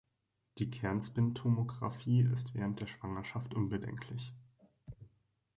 Die Kernspintomografie ist während der Schwangerschaft unbedenklich.